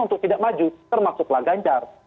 untuk tidak maju termasuklah ganjar